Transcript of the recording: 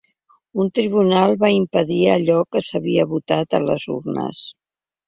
Un tribunal va impedir allò que s’havia votat a les urnes.